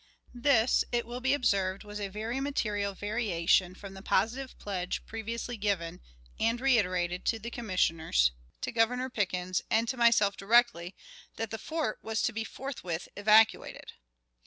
This, it will be observed, was a very material variation from the positive pledge previously given, and reiterated, to the Commissioners, to Governor Pickens, and to myself directly, that the fort was to be forthwith evacuated.